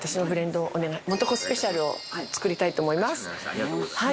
ありがとうございます。